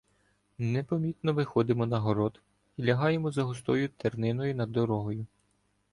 Непомітно виходимо на город і лягаємо за густою терниною над дорогою.